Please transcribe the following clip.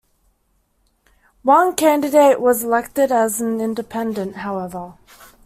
One candidate was elected as an independent however.